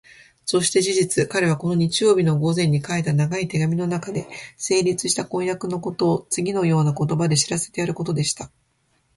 そして事実、彼はこの日曜日の午前に書いた長い手紙のなかで、成立した婚約のことをつぎのような言葉で知らせてやることにした。